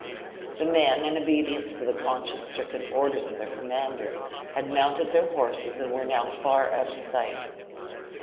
The men, in obedience to the conscience stricken orders of their commander, had mounted their horses and were now far out of sight.